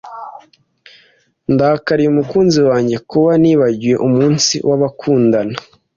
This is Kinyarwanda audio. Ndakariye umukunzi wanjye kuba nibagiwe umunsi w'abakundana.